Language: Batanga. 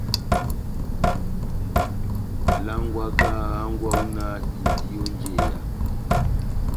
Langwaka hángwɛ wawu náh indi ó njeya.